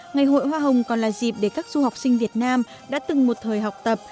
ngày hội hoa hồng còn là dịp để các du học sinh việt nam đã từng một thời học tập